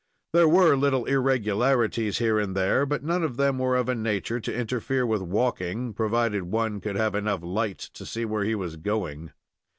There were little irregularities here and there, but none of them were of a nature to interfere with walking, provided one could have enough light to see where he was going.